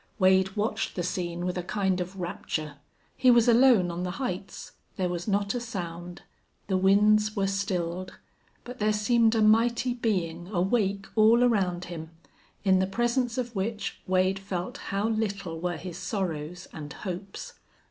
Wade watched the scene with a kind of rapture. He was alone on the heights. There was not a sound. The winds were stilled. But there seemed a mighty being awake all around him, in the presence of which Wade felt how little were his sorrows and hopes.